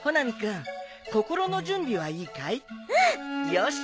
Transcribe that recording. よし。